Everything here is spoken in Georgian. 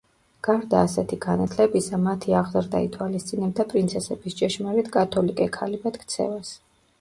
გარდა ასეთი განათლებისა, მათი აღზრდა ითვალისწინებდა პრინცესების ჭეშმარიტ კათოლიკე ქალებად ქცევას.